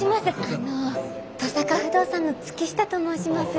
あの登坂不動産の月下と申します。